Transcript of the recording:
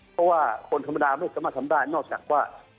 เพราะว่าคนธรรมดาไม่สามารถทำได้นอกจากว่า